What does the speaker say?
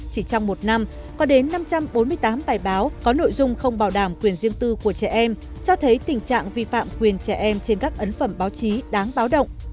chỉ trong một năm có đến năm trăm bốn mươi tám bài báo có nội dung không bảo đảm quyền riêng tư của trẻ em cho thấy tình trạng vi phạm quyền trẻ em trên các ấn phẩm báo chí đáng báo động